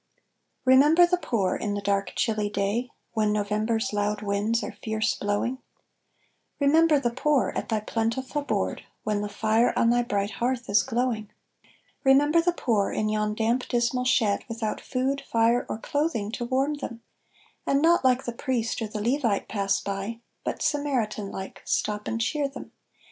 Remember the poor, in the dark chilly day, When November's loud winds are fierce blowing; Remember the poor, at thy plentiful board, When the fire on thy bright hearth is glowing. Remember the poor in yon damp dismal shed, Without food, fire, or clothing to warm them; And not like the Priest or the Levite pass by, But Samaritan like stop and cheer them.